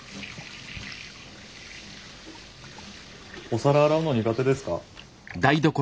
お皿洗うの苦手ですか？